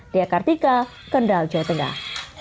diakartika kendal jawa tengah